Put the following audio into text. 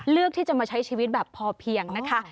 เลือกที่จะมาใช้ชีวิตแบบพอเพียงนะคะ